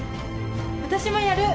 私もやる！